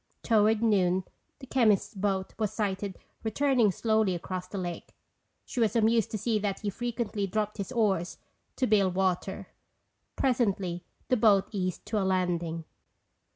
Toward noon the chemist's boat was sighted returning slowly across the lake. She was amused to see that he frequently dropped his oars to bail water. Presently, the boat eased to a landing.